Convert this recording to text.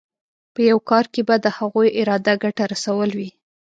په یو کار کې به د هغوی اراده ګټه رسول وي.